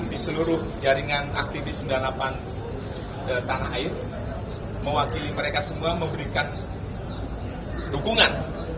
di seluruh jaringan aktivis sembilan puluh delapan tanah air mewakili mereka semua memberikan dukungan